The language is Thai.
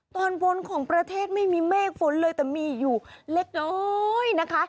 ตอนบนของประเทศไม่มีเมฆฝนเลยแต่มีอยู่เล็กน้อยนะคะ